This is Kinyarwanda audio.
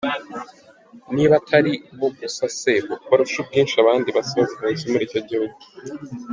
Niba atari bo gusa se, barusha ubwinshi abandi basaba ubuhunzi muri icyo gihugu ?